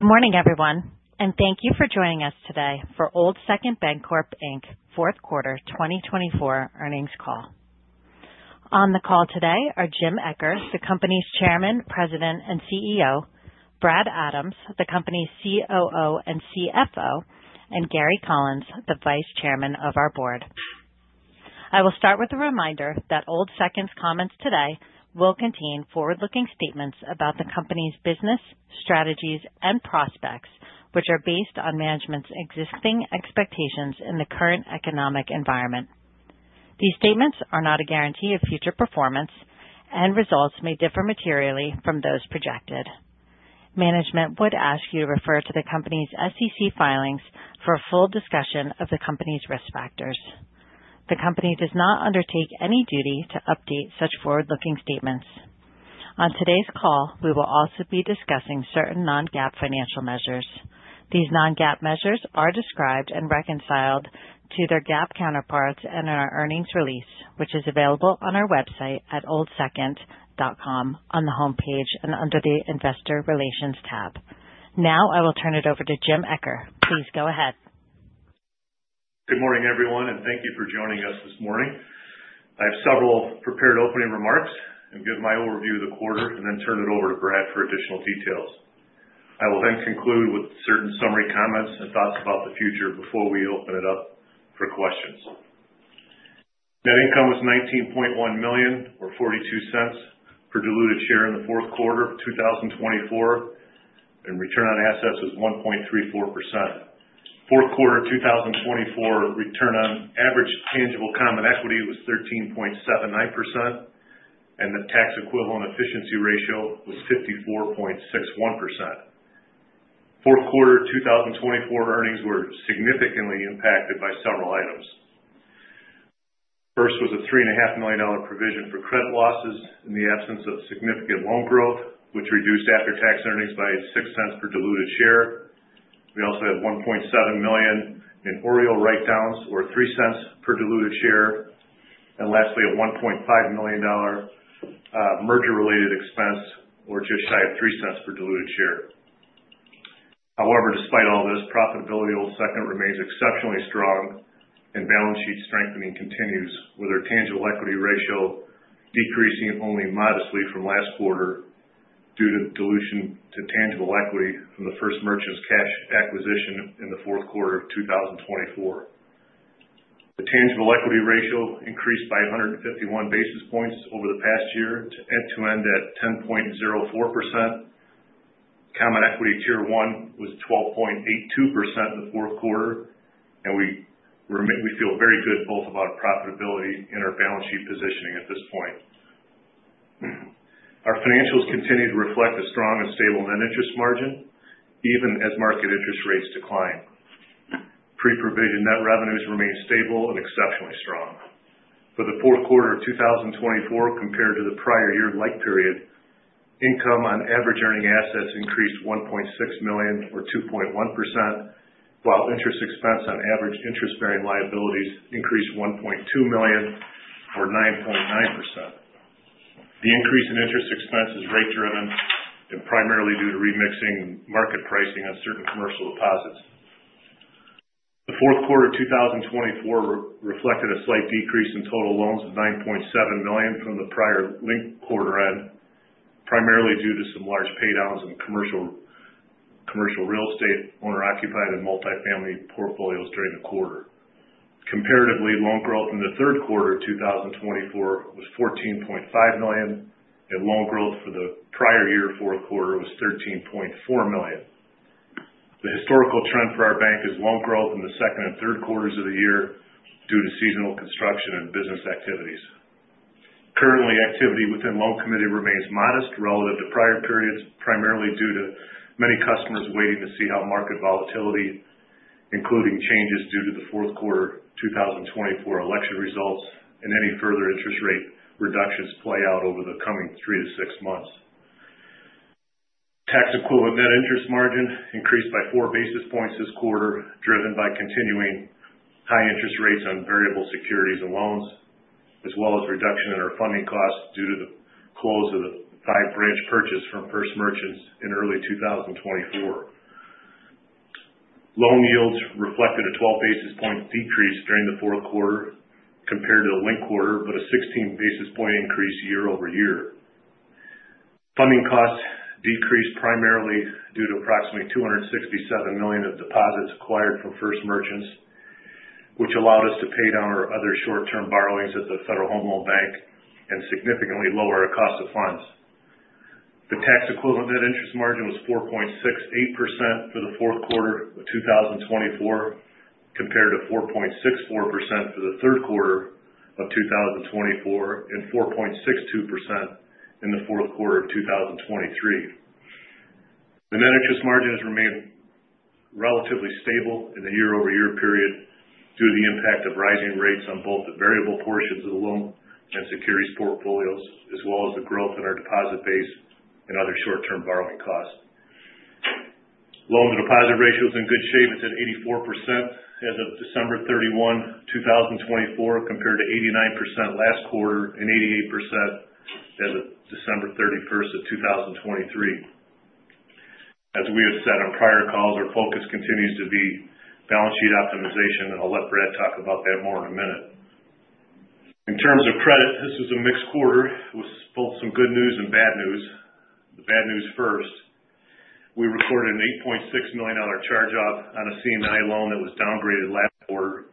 Good morning, everyone, and thank you for joining us today for Old Second Bancorp, Inc. Fourth Quarter 2024 earnings call. On the call today are Jim Eccher, the company's Chairman, President, and CEO, Brad Adams, the company's COO and CFO, and Gary Collins, the Vice Chairman of our board. I will start with a reminder that Old Second's comments today will contain forward-looking statements about the company's business, strategies, and prospects, which are based on management's existing expectations in the current economic environment. These statements are not a guarantee of future performance, and results may differ materially from those projected. Management would ask you to refer to the company's SEC filings for a full discussion of the company's risk factors. The company does not undertake any duty to update such forward-looking statements. On today's call, we will also be discussing certain non-GAAP financial measures. These non-GAAP measures are described and reconciled to their GAAP counterparts in our earnings release, which is available on our website at oldsecond.com on the homepage and under the Investor Relations tab. Now, I will turn it over to Jim Eccher. Please go ahead. Good morning, everyone, and thank you for joining us this morning. I have several prepared opening remarks. I'll give my overview of the quarter and then turn it over to Brad for additional details. I will then conclude with certain summary comments and thoughts about the future before we open it up for questions. Net income was $19.1 million, or $0.42 per diluted share in the fourth quarter of 2024, and return on assets was 1.34%. Q4 2024 return on average tangible common equity was 13.79%, and the tax equivalent efficiency ratio was 54.61%. Fourth quarter 2024 earnings were significantly impacted by several items. First was a $3.5 million provision for credit losses in the absence of significant loan growth, which reduced after-tax earnings by $0.06 per diluted share. We also had $1.7 million in OREO write-downs, or $0.03 per diluted share, and lastly, a $1.5 million merger-related expense, or just shy of $0.03 per diluted share. However, despite all this, profitability of Old Second remains exceptionally strong, and balance sheet strengthening continues, with our tangible equity ratio decreasing only modestly from last quarter due to dilution to tangible equity from the First Merchants' cash acquisition in the fourth quarter of 2024. The tangible equity ratio increased by 151 basis points over the past year, year-end at 10.04%. Common Equity Tier 1 was 12.82% the fourth quarter, and we feel very good both about profitability and our balance sheet positioning at this point. Our financials continue to reflect a strong and stable net interest margin, even as market interest rates decline. Pre-provision net revenues remain stable and exceptionally strong. For the fourth quarter of 2024, compared to the prior year-ago period, income on average earning assets increased $1.6 million, or 2.1%, while interest expense on average interest-bearing liabilities increased $1.2 million, or 9.9%. The increase in interest expense is rate-driven and primarily due to re-pricing market pricing on certain commercial deposits. The fourth quarter of 2024 reflected a slight decrease in total loans of $9.7 million from the prior quarter-end, primarily due to some large paydowns in commercial real estate owner-occupied and multifamily portfolios during the quarter. Comparatively, loan growth in the third quarter of 2024 was $14.5 million, and loan growth for the prior-year fourth quarter was $13.4 million. The historical trend for our bank is loan growth in the second and third quarters of the year due to seasonal construction and business activities. Currently, activity within loan committee remains modest relative to prior periods, primarily due to many customers waiting to see how market volatility, including changes due to the fourth quarter 2024 election results and any further interest rate reductions, play out over the coming three to six months. Tax-equivalent net interest margin increased by four basis points this quarter, driven by continuing high interest rates on variable securities and loans, as well as reduction in our funding costs due to the close of the five-branch purchase from First Merchants in early 2024. Loan yields reflected a 12 basis points decrease during the fourth quarter compared to the linked quarter, but a 16 basis points increase year over year. Funding costs decreased primarily due to approximately $267 million of deposits acquired from First Merchants, which allowed us to pay down our other short-term borrowings at the Federal Home Loan Bank and significantly lower our cost of funds. The tax equivalent net interest margin was 4.68% for the fourth quarter of 2024, compared to 4.64% for the third quarter of 2024 and 4.62% in the fourth quarter of 2023. The net interest margin has remained relatively stable in the year-over-year period due to the impact of rising rates on both the variable portions of the loan and securities portfolios, as well as the growth in our deposit base and other short-term borrowing costs. Loan-to-deposit ratio was in good shape. It's at 84% as of December 31, 2024, compared to 89% last quarter and 88% as of December 31st of 2023. As we have said on prior calls, our focus continues to be balance sheet optimization, and I'll let Brad talk about that more in a minute. In terms of credit, this was a mixed quarter with both some good news and bad news. The bad news first: we recorded an $8.6 million charge-off on a C&I loan that was downgraded last quarter.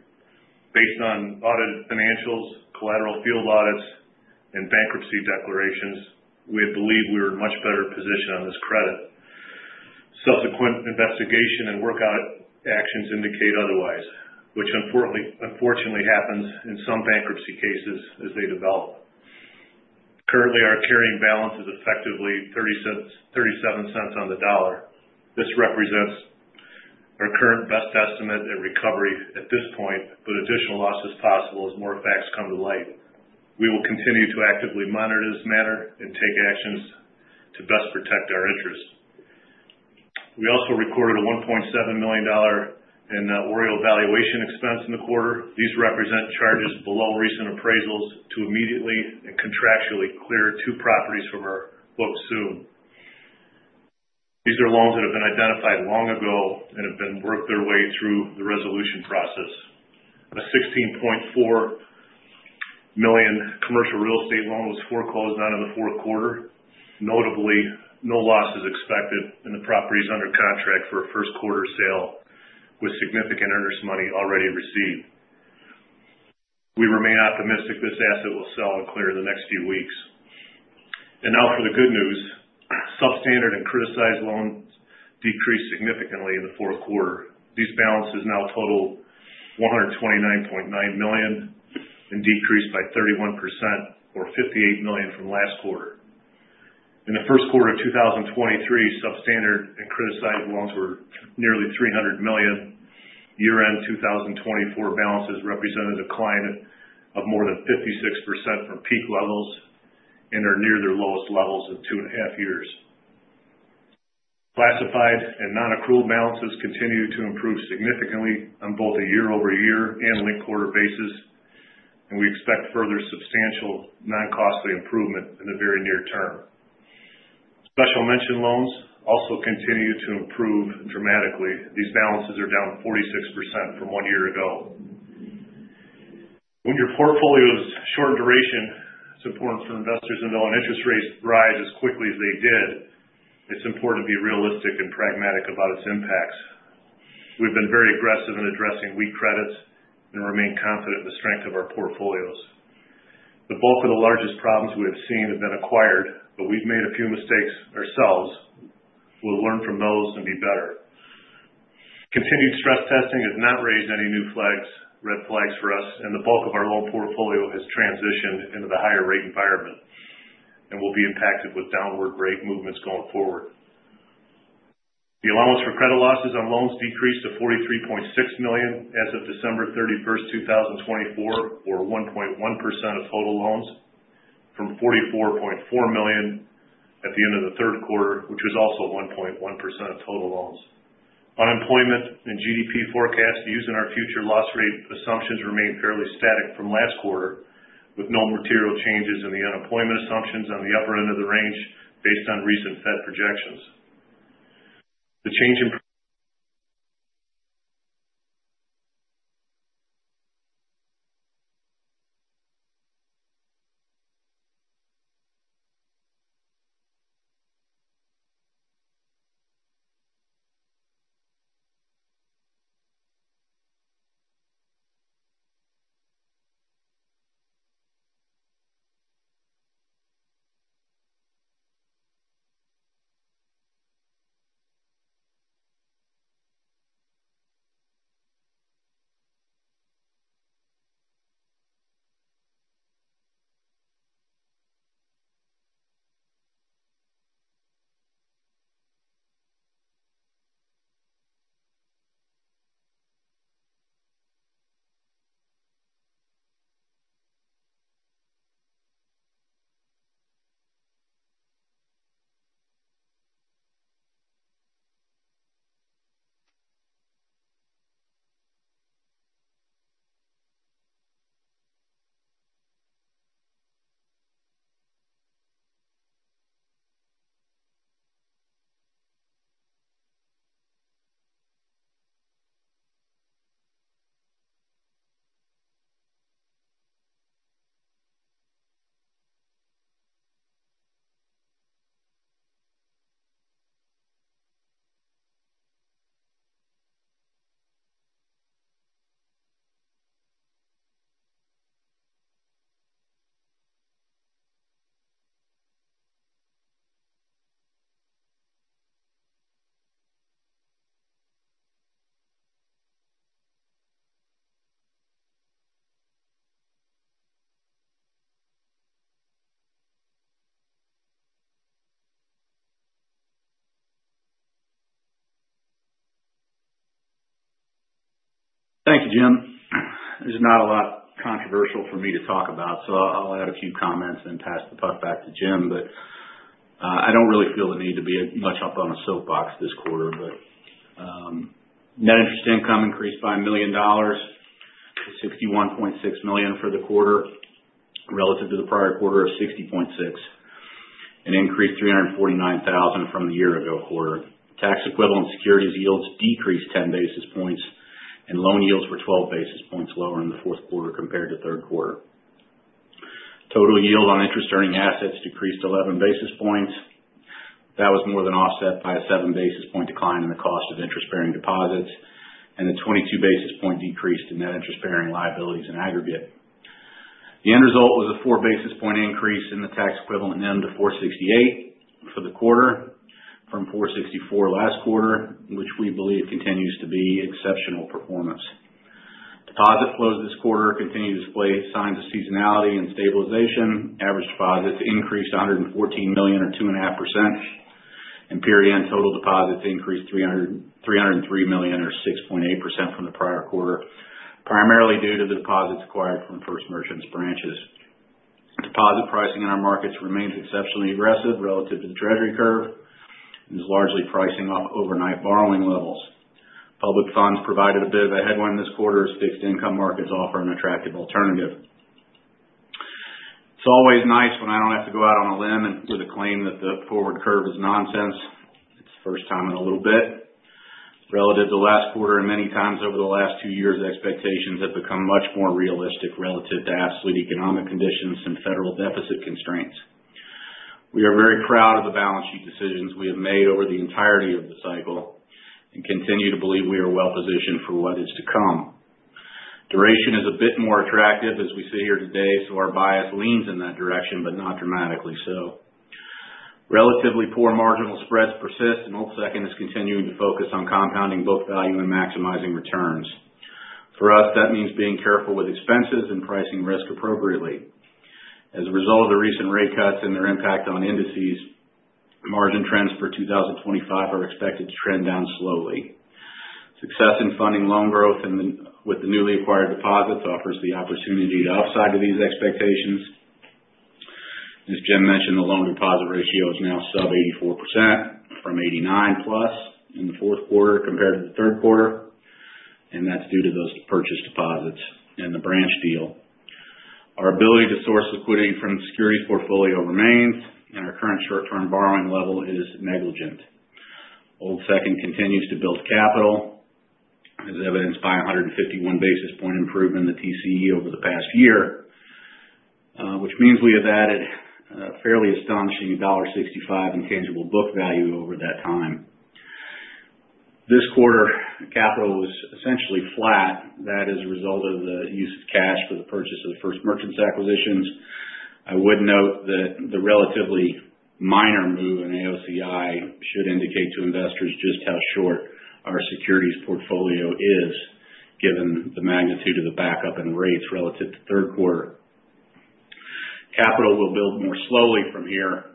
Based on audited financials, collateral field audits, and bankruptcy declarations, we believe we were in a much better position on this credit. Subsequent investigation and workout actions indicate otherwise, which unfortunately happens in some bankruptcy cases as they develop. Currently, our carrying balance is effectively 37 cents on the dollar. This represents our current best estimate at recovery at this point, but additional loss is possible as more facts come to light. We will continue to actively monitor this matter and take actions to best protect our interests. We also recorded a $1.7 million in OREO valuation expense in the quarter. These represent charges below recent appraisals to immediately and contractually clear two properties from our books soon. These are loans that have been identified long ago and have been worked their way through the resolution process. A $16.4 million commercial real estate loan was foreclosed on in the fourth quarter. Notably, no loss is expected in the properties under contract for a first quarter sale, with significant interest money already received. We remain optimistic this asset will sell and clear in the next few weeks. And now for the good news: substandard and criticized loans decreased significantly in the fourth quarter. These balances now total $129.9 million and decreased by 31%, or $58 million from last quarter. In the first quarter of 2023, substandard and criticized loans were nearly $300 million. Year-end 2024 balances represent a decline of more than 56% from peak levels and are near their lowest levels in two and a half years. Classified and non-accrual balances continue to improve significantly on both a year-over-year and linked quarter basis, and we expect further substantial non-costly improvement in the very near term. Special mention loans also continue to improve dramatically. These balances are down 46% from one year ago. When your portfolio is short duration, it's important for investors to know when interest rates rise as quickly as they did. It's important to be realistic and pragmatic about its impacts. We've been very aggressive in addressing weak credits and remain confident in the strength of our portfolios. The bulk of the largest problems we have seen have been acquired, but we've made a few mistakes ourselves. We'll learn from those and be better. Continued stress testing has not raised any new flags, red flags for us, and the bulk of our loan portfolio has transitioned into the higher rate environment and will be impacted with downward rate movements going forward. The allowance for credit losses on loans decreased to $43.6 million as of December 31st, 2024, or 1.1% of total loans, from $44.4 million at the end of the third quarter, which was also 1.1% of total loans. Unemployment and GDP forecasts used in our future loss rate assumptions remain fairly static from last quarter, with no material changes in the unemployment assumptions on the upper end of the range based on recent Fed projections. The change in. Thank you, Jim. There's not a lot controversial for me to talk about, so I'll add a few comments and pass the puck back to Jim. But I don't really feel the need to be much up on a soapbox this quarter. But net interest income increased by $1 million, to $61.6 million for the quarter, relative to the prior quarter of $60.6 million, an increase of $349,000 from the year-ago quarter. Tax equivalent securities yields decreased 10 basis points, and loan yields were 12 basis points lower in the fourth quarter compared to third quarter. Total yield on interest-bearing assets decreased 11 basis points. That was more than offset by a 7 basis point decline in the cost of interest-bearing deposits, and a 22 basis point decrease in net interest-bearing liabilities in aggregate. The end result was a 4 basis point increase in the tax equivalent NIM to 468 for the quarter, from 464 last quarter, which we believe continues to be exceptional performance. Deposit flows this quarter continue to display signs of seasonality and stabilization. Average deposits increased $114 million, or 2.5%, and period-end total deposits increased $303 million, or 6.8%, from the prior quarter, primarily due to the deposits acquired from First Merchants branches. Deposit pricing in our markets remains exceptionally aggressive relative to the Treasury curve and is largely pricing off overnight borrowing levels. Public funds provided a bit of a headwind this quarter, as fixed income markets offer an attractive alternative. It's always nice when I don't have to go out on a limb with a claim that the forward curve is nonsense. It's the first time in a little bit. Relative to last quarter and many times over the last two years, expectations have become much more realistic relative to absolute economic conditions and federal deficit constraints. We are very proud of the balance sheet decisions we have made over the entirety of the cycle and continue to believe we are well-positioned for what is to come. Duration is a bit more attractive as we sit here today, so our bias leans in that direction, but not dramatically so. Relatively poor marginal spreads persist, and Old Second is continuing to focus on compounding both value and maximizing returns. For us, that means being careful with expenses and pricing risk appropriately. As a result of the recent rate cuts and their impact on indices, margin trends for 2025 are expected to trend down slowly. Success in funding loan growth with the newly acquired deposits offers the opportunity to upside to these expectations. As Jim mentioned, the loan-to-deposit ratio is now sub-84%, from +89 in the fourth quarter compared to the third quarter, and that's due to those purchase deposits and the branch deal. Our ability to source liquidity from the securities portfolio remains, and our current short-term borrowing level is negligible. Old Second continues to build capital, as evidenced by a 151 basis point improvement in the TCE over the past year, which means we have added a fairly astonishing $1.65 tangible book value over that time. This quarter, capital was essentially flat. That is a result of the use of cash for the purchase of the First Merchants acquisitions. I would note that the relatively minor move in AOCI should indicate to investors just how short our securities portfolio is, given the magnitude of the backup and rates relative to third quarter. Capital will build more slowly from here,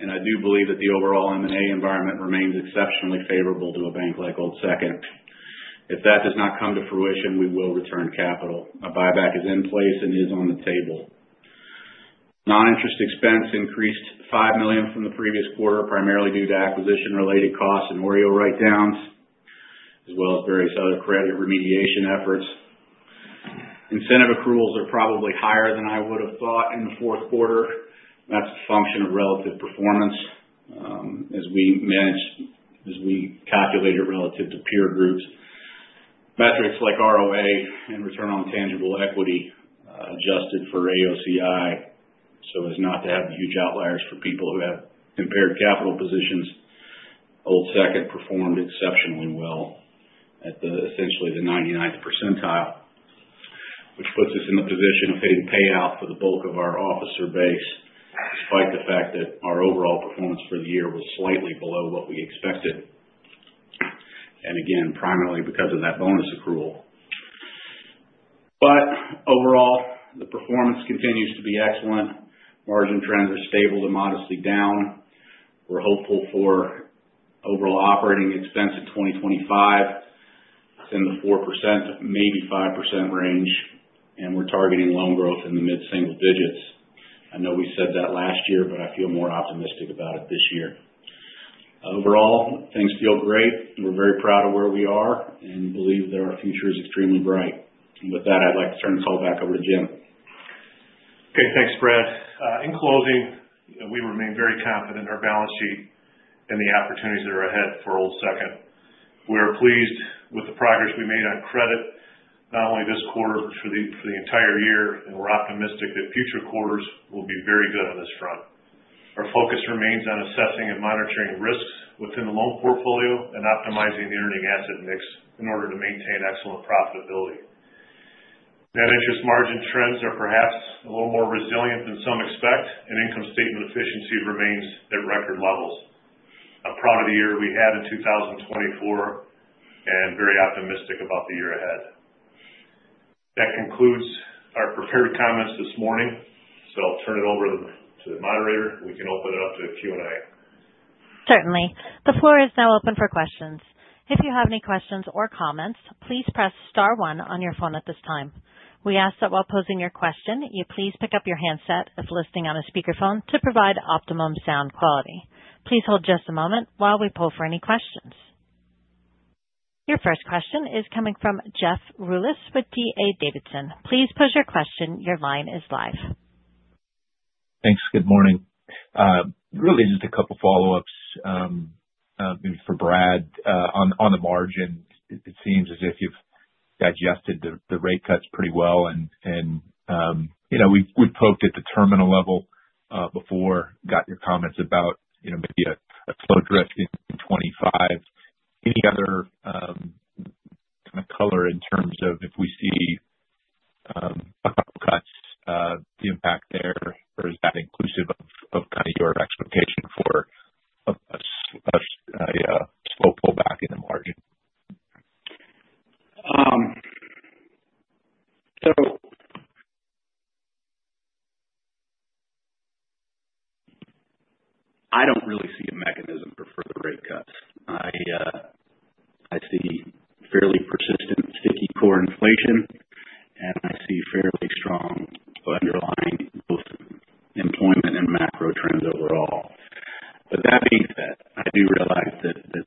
and I do believe that the overall M&A environment remains exceptionally favorable to a bank like Old Second. If that does not come to fruition, we will return capital. A buyback is in place and is on the table. Non-interest expense increased $5 million from the previous quarter, primarily due to acquisition-related costs and OREO write-downs, as well as various other credit remediation efforts. Incentive accruals are probably higher than I would have thought in the fourth quarter. That's a function of relative performance as we calculate it relative to peer groups. Metrics like ROA and return on tangible equity adjusted for AOCI so as not to have huge outliers for people who have impaired capital positions. Second performed exceptionally well at essentially the 99th percentile, which puts us in the position of hitting payout for the bulk of our officer base, despite the fact that our overall performance for the year was slightly below what we expected, and again, primarily because of that bonus accrual. But overall, the performance continues to be excellent. Margin trends are stable to modestly down. We're hopeful for overall operating expense in 2025 within the 4%, maybe 5% range, and we're targeting loan growth in the mid-single digits. I know we said that last year, but I feel more optimistic about it this year. Overall, things feel great. We're very proud of where we are and believe that our future is extremely bright. With that, I'd like to turn the call back over to Jim. Okay. Thanks, Brad. In closing, we remain very confident in our balance sheet and the opportunities that are ahead for Old Second. We are pleased with the progress we made on credit, not only this quarter but for the entire year, and we're optimistic that future quarters will be very good on this front. Our focus remains on assessing and monitoring risks within the loan portfolio and optimizing the interest and asset mix in order to maintain excellent profitability. Net interest margin trends are perhaps a little more resilient than some expect, and income statement efficiency remains at record levels. I'm proud of the year we had in 2024 and very optimistic about the year ahead. That concludes our prepared comments this morning, so I'll turn it over to the moderator, and we can open it up to a Q&A. Certainly. The floor is now open for questions. If you have any questions or comments, please press star one on your phone at this time. We ask that while posing your question, you please pick up your handset if listening on a speakerphone to provide optimum sound quality. Please hold just a moment while we poll for any questions. Your first question is coming from Jeff Rulis with D.A. Davidson. Please pose your question. Your line is live. Thanks. Good morning. Really, just a couple of follow-ups for Brad. On the margin, it seems as if you've digested the rate cuts pretty well, and we've poked at the terminal level before, got your comments about maybe a slow drift in 2025. Any other kind of color in terms of if we see a couple of cuts, the impact there, or is that inclusive of kind of your expectation for a slow pullback in the margin? So I don't really see a mechanism for further rate cuts. I see fairly persistent sticky core inflation, and I see fairly strong underlying both employment and macro trends overall. But that being said, I do realize that some do want to talk about one or two more. I think if we get two more, I think you're likely to see us trend towards kind of a 35-440 margin eventually, but it'll be a slow path to get there. I feel pretty confident that what is ahead has us significantly above the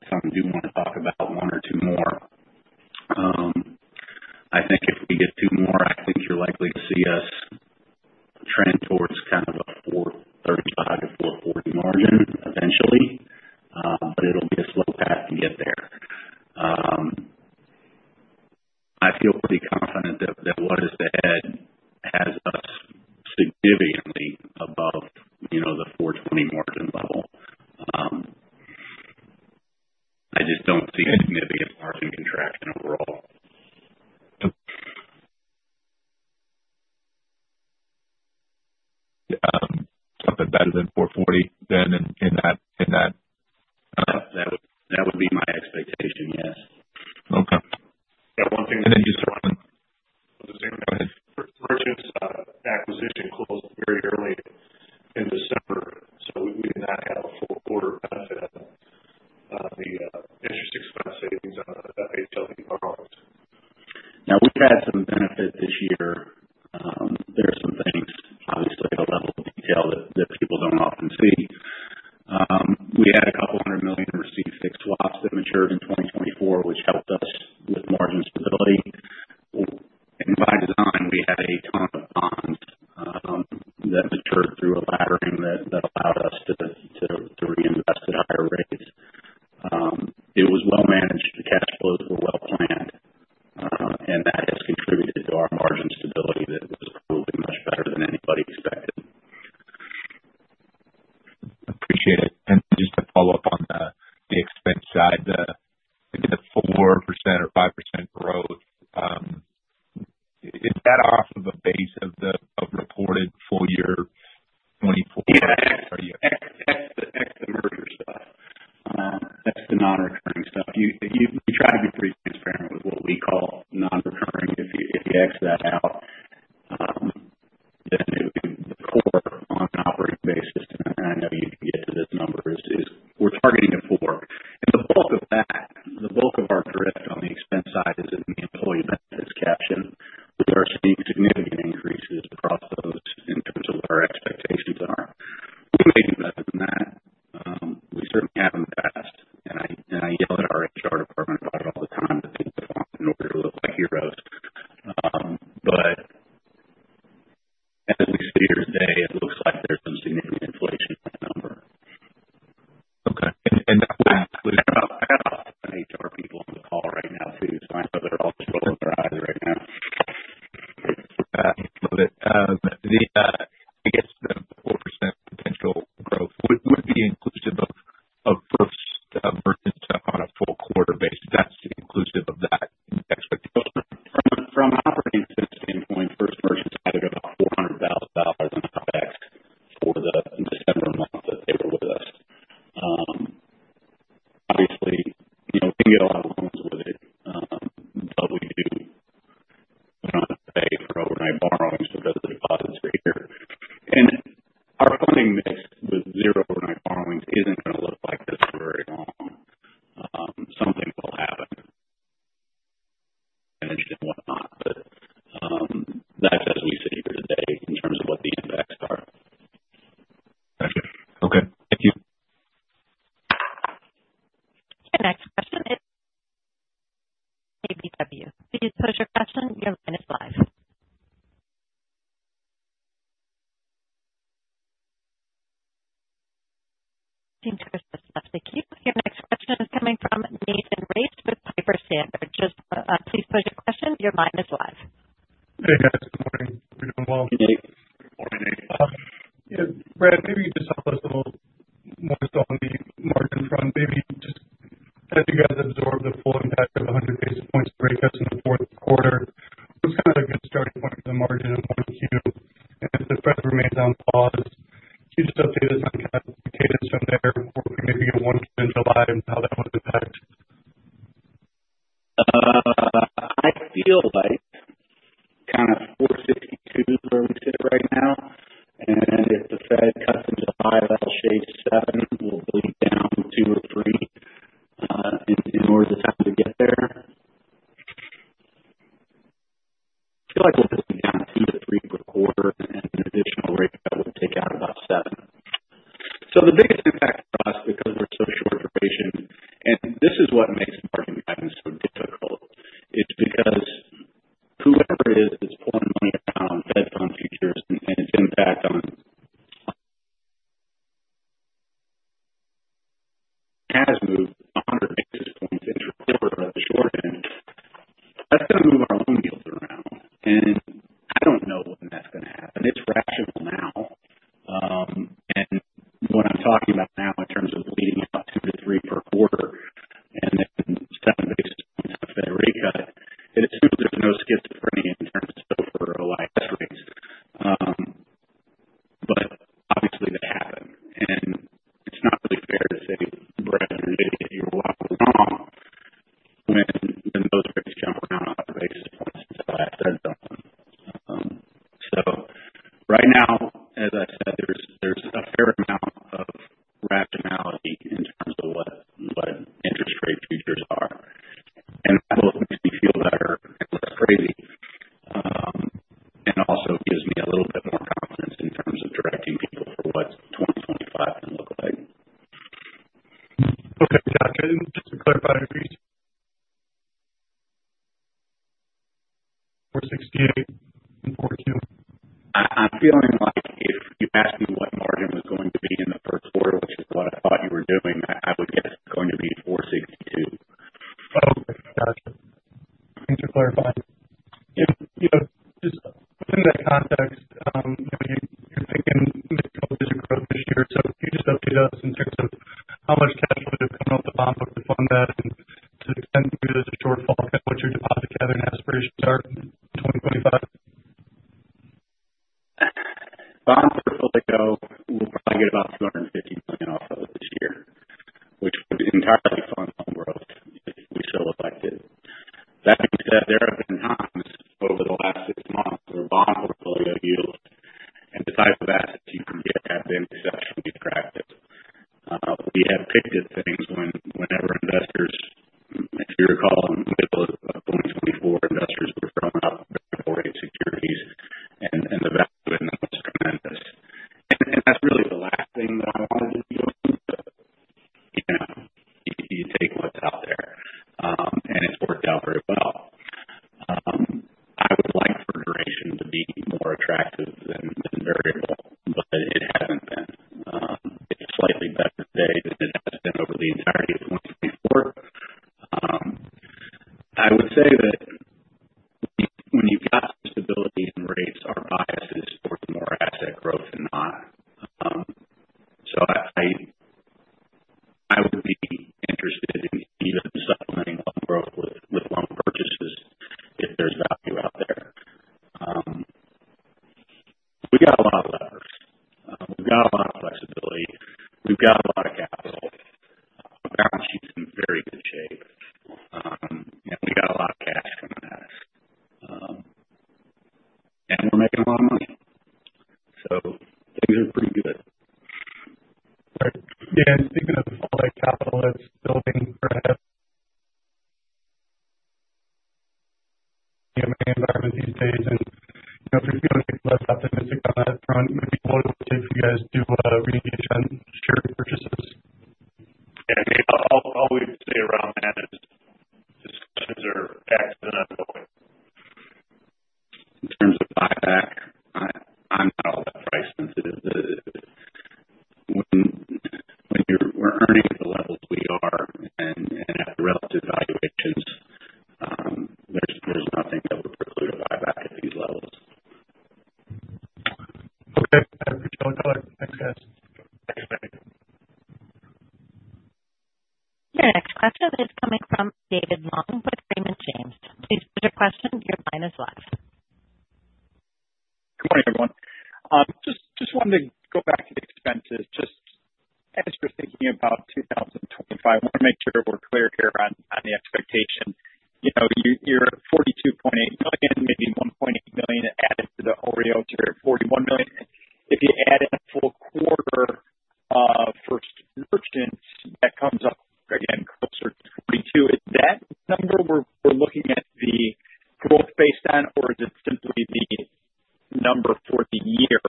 number for the year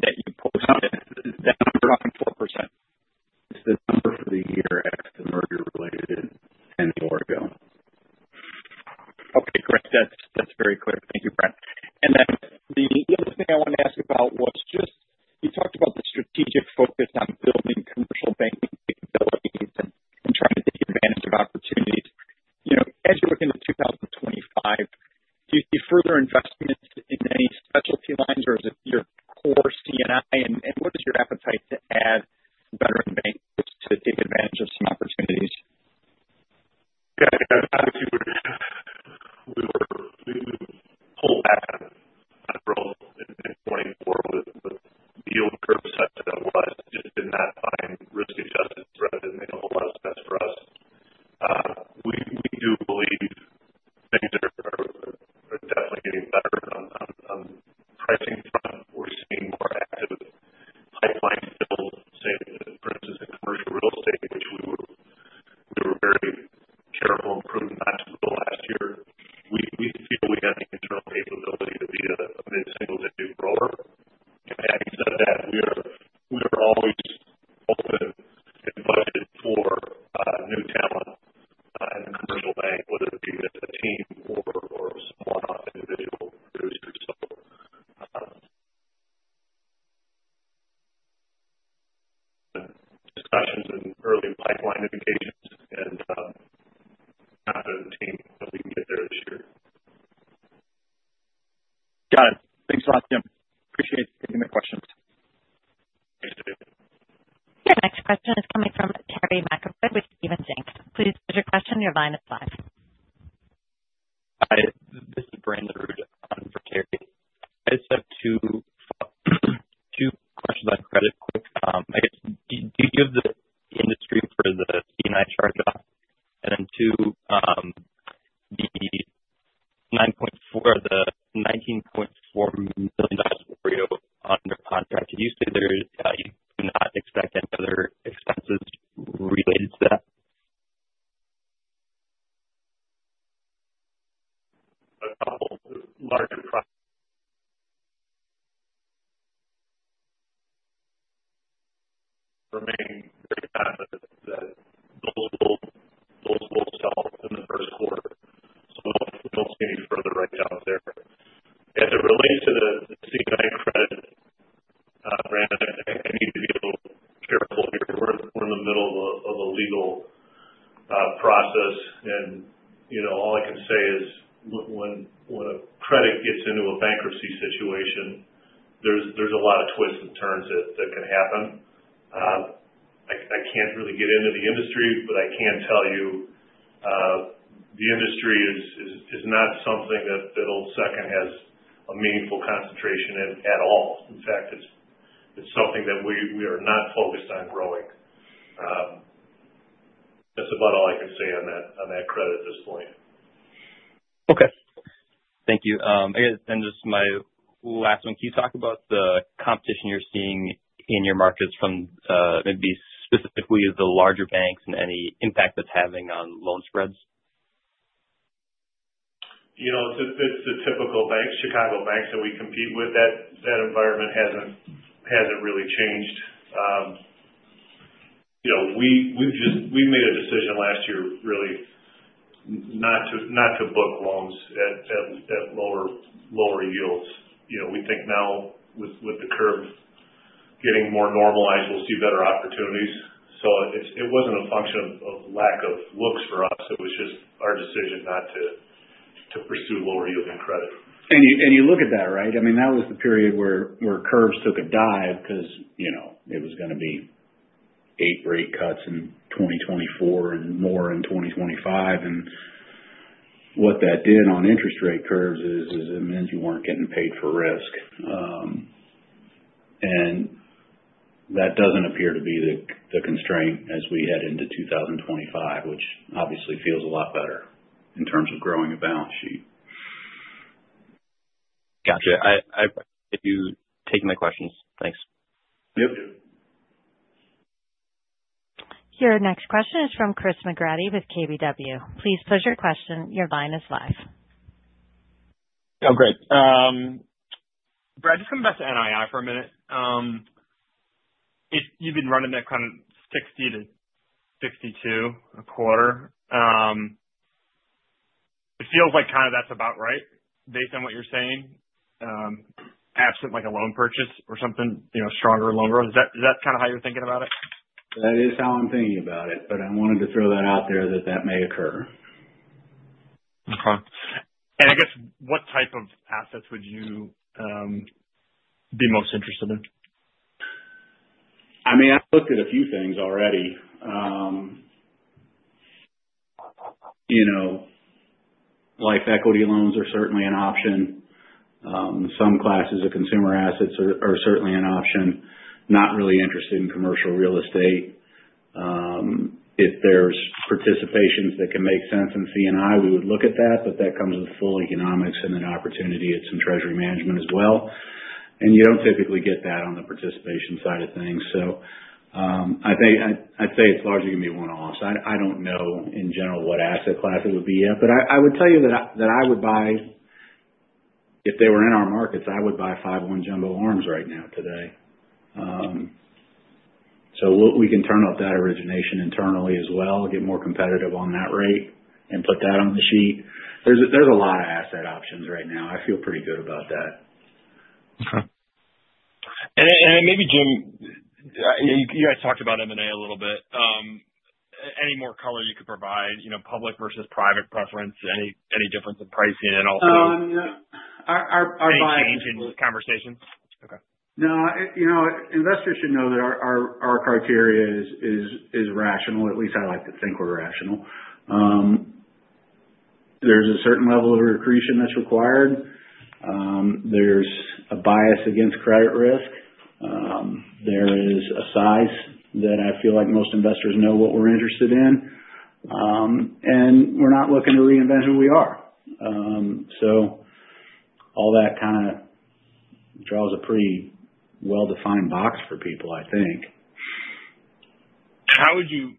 that you post on it? Is that number That's about all I can say on that credit at this point. Okay. Thank you. And just my last one. Can you talk about the competition you're seeing in your markets from maybe specifically the larger banks and any impact that's having on loan spreads? It's the typical banks, Chicago banks that we compete with. That environment hasn't really changed. We made a decision last year really not to book loans at lower yields. We think now with the curve getting more normalized, we'll see better opportunities. So it wasn't a function of lack of looks for us. It was just our decision not to pursue lower yielding credit. And you look at that, right? I mean, that was the period where curves took a dive because it was going to be eight rate cuts in 2024 and more in 2025. And what that did on interest rate curves is it means you weren't getting paid for risk. And that doesn't appear to be the constraint as we head into 2025, which obviously feels a lot better in terms of growing a balance sheet. Got you. I appreciate you taking the questions. Thanks. Yep. Your next question is from Chris McGratty with KBW. Please pose your question. Your line is live. Oh, great. Brad, just coming back to NII for a minute. You've been running that kind of 60-62 a quarter. It feels like kind of that's about right based on what you're saying, absent a loan purchase or something, stronger loan growth. Is that kind of how you're thinking about it? That is how I'm thinking about it, but I wanted to throw that out there that that may occur. Okay. And I guess, what type of assets would you be most interested in? I mean, I've looked at a few things already. Life equity loans are certainly an option. Some classes of consumer assets are certainly an option. Not really interested in commercial real estate. If there's participations that can make sense in C&I, we would look at that, but that comes with full economics and an opportunity at some treasury management as well. And you don't typically get that on the participation side of things. So I'd say it's largely going to be one-offs. I don't know in general what asset class it would be at, but I would tell you that I would buy if they were in our markets, I would buy 501(j)(1)(b)(r)s right now today. So we can turn up that origination internally as well, get more competitive on that rate, and put that on the sheet. There's a lot of asset options right now. I feel pretty good about that. Okay. And then maybe, Jim, you guys talked about M&A a little bit. Any more color you could provide? Public versus private preference? Any difference in pricing and also any change in conversations? Okay. No, investors should know that our criteria is rational. At least I like to think we're rational. There's a certain level of accretion that's required. There's a bias against credit risk. There is a size that I feel like most investors know what we're interested in. And we're not looking to reinvent who we are. So all that kind of draws a pretty well-defined box for people, I think. How would you,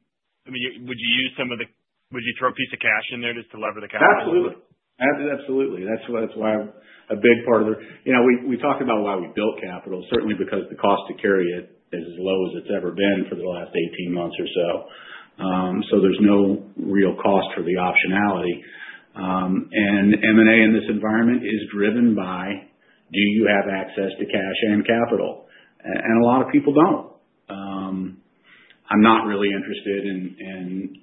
I mean, would you throw a piece of cash in there just to lever the capital? Absolutely. Absolutely. That's why a big part of the way we talked about why we built capital, certainly because the cost to carry it is as low as it's ever been for the last 18 months or so. So there's no real cost for the optionality. And M&A in this environment is driven by, do you have access to cash and capital? And a lot of people don't. I'm not really interested in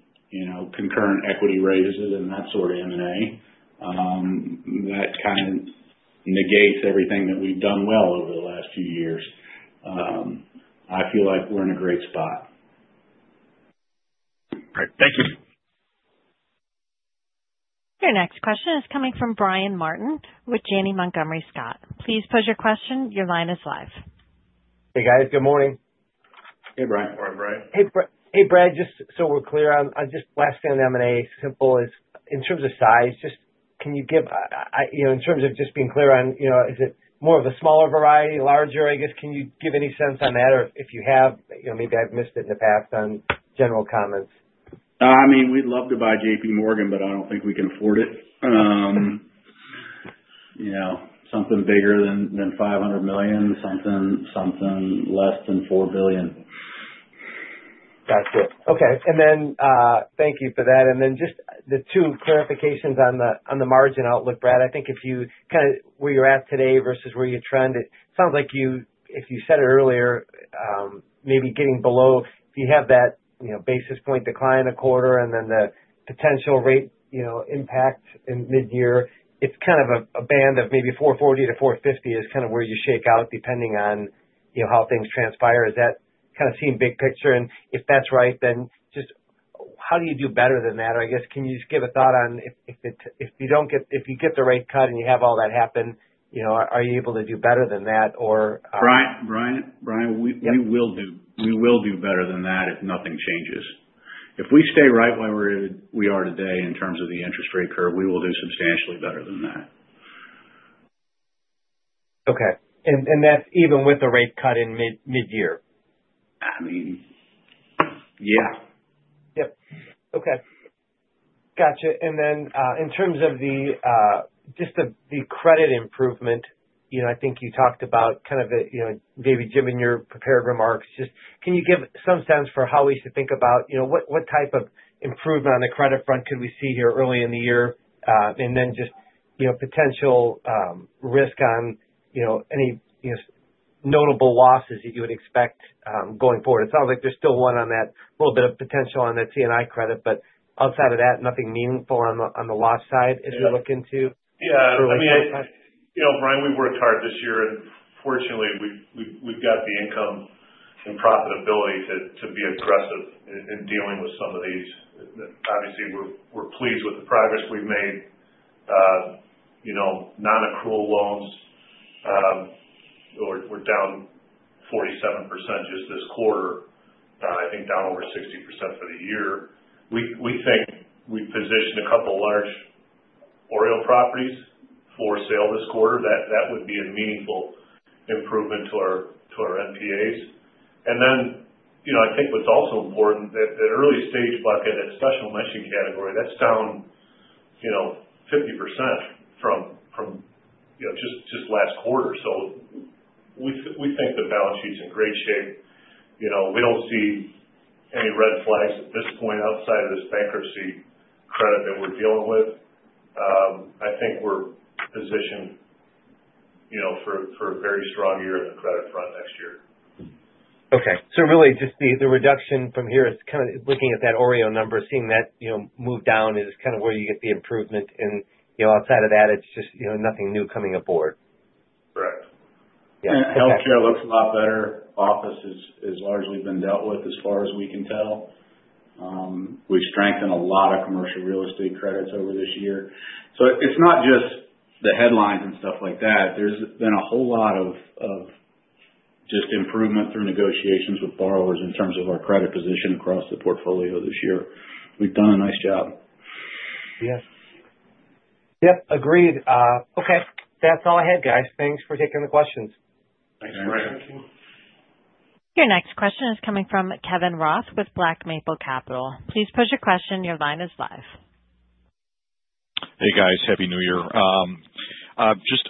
concurrent equity raises and that sort of M&A. That kind of negates everything that we've done well over the last few years. I feel like we're in a great spot. All right. Thank you. Your next question is coming from Brian Martin with Janney Montgomery Scott. Please pose your question. Your line is live. Hey, guys. Good morning. Hey, Brian. Morning, Brian. Hey, Brad. Just so we're clear on just last thing on M&A, simple as in terms of size, just can you give in terms of just being clear on, is it more of a smaller variety, larger, I guess? Can you give any sense on that or if you have? Maybe I've missed it in the past on general comments. I mean, we'd love to buy JPMorgan, but I don't think we can afford it. Something bigger than $500 million, something less than $4 billion. Got you. Okay. And then thank you for that. And then just the two clarifications on the margin outlook, Brad. I think if you kind of where you're at today versus where you trend, it sounds like you if you said it earlier, maybe getting below, if you have that basis point decline a quarter and then the potential rate impact in mid-year, it's kind of a band of maybe 440-450 is kind of where you shake out depending on how things transpire. Is that kind of seeing big picture? And if that's right, then just how do you do better than that? Or I guess, can you just give a thought on if you don't get if you get the rate cut and you have all that happen, are you able to do better than that or? Brian, Brian, Brian, we will do better than that if nothing changes. If we stay right where we are today in terms of the interest rate curve, we will do substantially better than that. Okay. And that's even with the rate cut in mid-year? I mean, yeah. Yep. Okay. Got you. And then in terms of just the credit improvement, I think you talked about kind of maybe giving your prepared remarks. Just can you give some sense for how we should think about what type of improvement on the credit front could we see here early in the year? And then just potential risk on any notable losses that you would expect going forward. It sounds like there's still one on that little bit of potential on that C&I credit, but outside of that, nothing meaningful on the loss side as you look into early quarter cuts? Yeah. I mean, Brian, we worked hard this year, and fortunately, we've got the income and profitability to be aggressive in dealing with some of these. Obviously, we're pleased with the progress we've made. Non-accrual loans, we're down 47% just this quarter. I think down over 60% for the year. We think we positioned a couple of large OREO properties for sale this quarter. That would be a meaningful improvement to our NPAs. And then I think what's also important, that early-stage bucket, that special mention category, that's down 50% from just last quarter. So we think the balance sheet's in great shape. We don't see any red flags at this point outside of this bankruptcy credit that we're dealing with. I think we're positioned for a very strong year on the credit front next year. Okay. So really, just the reduction from here is kind of looking at that OREO number, seeing that move down is kind of where you get the improvement. And outside of that, it's just nothing new coming aboard. Correct. Yeah. Healthcare looks a lot better. Office has largely been dealt with as far as we can tell. We've strengthened a lot of commercial real estate credits over this year. So it's not just the headlines and stuff like that. There's been a whole lot of just improvement through negotiations with borrowers in terms of our credit position across the portfolio this year. We've done a nice job. Yes. Yep. Agreed. Okay. That's all I had, guys. Thanks for taking the questions. Thanks, Brian. Thank you. Your next question is coming from Kevin Reevey with Black Maple Capital. Please pose your question. Your line is live. Hey, guys. Happy New Year. Just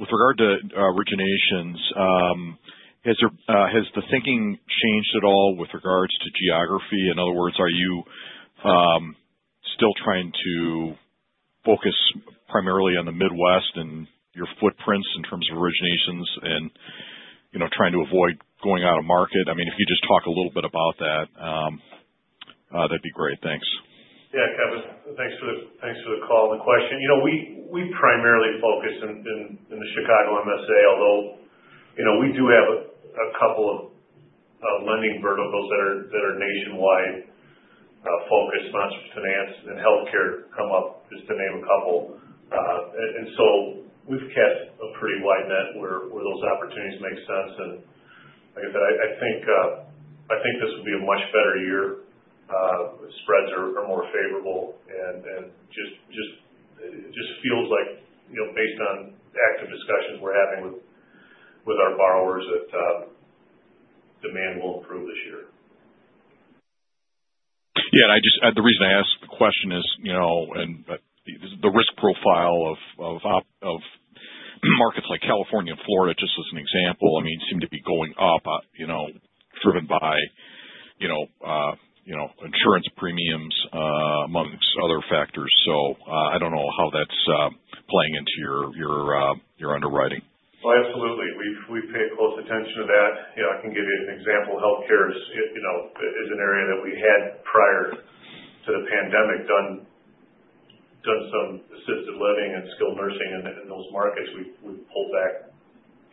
with regard to originations, has the thinking changed at all with regards to geography? In other words, are you still trying to focus primarily on the Midwest and your footprints in terms of originations and trying to avoid going out of market? I mean, if you could just talk a little bit about that, that'd be great. Thanks. Yeah, Kevin. Thanks for the call and the question. We primarily focus in the Chicago MSA, although we do have a couple of lending verticals that are nationwide focused, not just in finance and healthcare, just to name a couple. And so we've cast a pretty wide net where those opportunities make sense. And like I said, I think this will be a much better year. Spreads are more favorable. And it just feels like, based on active discussions we're having with our borrowers, that demand will improve this year. Yeah. And the reason I asked the question is the risk profile of markets like California and Florida, just as an example, I mean, seem to be going up, driven by insurance premiums among other factors. So I don't know how that's playing into your underwriting. Oh, absolutely. We pay close attention to that. I can give you an example. Healthcare is an area that we had prior to the pandemic done some assisted living and skilled nursing in those markets. We've pulled back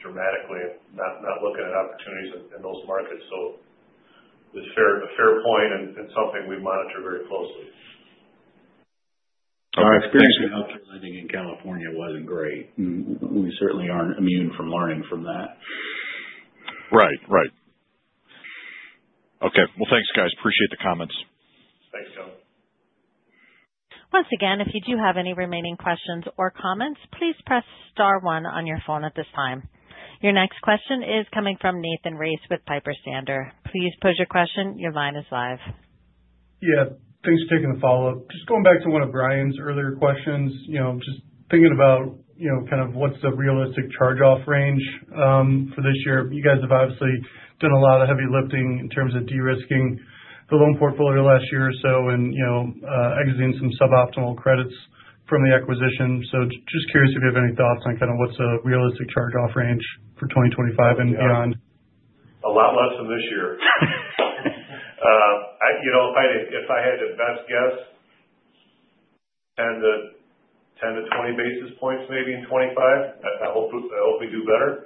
dramatically, not looking at opportunities in those markets. So it's a fair point and something we monitor very closely. Our experience with healthcare lending in California wasn't great. We certainly aren't immune from learning from that. Right. Right. Okay. Well, thanks, guys. Appreciate the comments. Thanks, Kevin. Once again, if you do have any remaining questions or comments, please press star one on your phone at this time. Your next question is coming from Nathan Race with Piper Sandler. Please pose your question. Your line is live. Yeah. Thanks for taking the follow-up. Just going back to one of Brian's earlier questions, just thinking about kind of what's the realistic charge-off range for this year. You guys have obviously done a lot of heavy lifting in terms of de-risking the loan portfolio last year or so and exiting some suboptimal credits from the acquisition. So just curious if you have any thoughts on kind of what's a realistic charge-off range for 2025 and beyond. A lot less than this year. If I had to best guess, 10 to 20 basis points maybe in '25, I hope we do better.